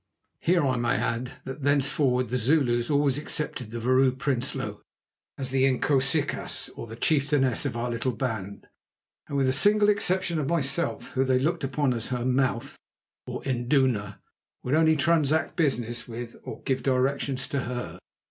Here I may add that thenceforward the Zulus always accepted the Vrouw Prinsloo as the Inkosikaas or chieftainess of our little band, and with the single exception of myself, whom they looked upon as her "mouth," or induna, would only transact business with or give directions to her.